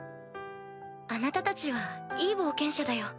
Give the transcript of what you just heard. あなたたちはいい冒険者だよ。